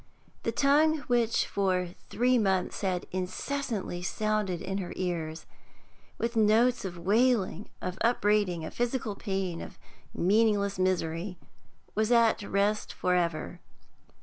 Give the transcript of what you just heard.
The tongue which for three months had incessantly sounded in her ears, with its notes of wailing, of upbraiding, of physical pain, of meaningless misery, was at rest for ever.